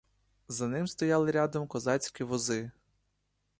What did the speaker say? За ним стояли рядом козацькі вози.